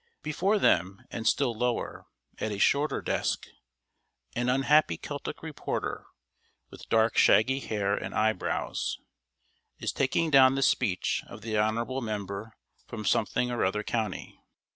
Before them, and still lower, at a shorter desk, an unhappy Celtic reporter, with dark shaggy hair and eyebrows, is taking down the speech of the honorable member from something or other county.